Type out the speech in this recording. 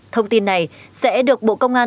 thông tin này sẽ được bộ công an cập hợp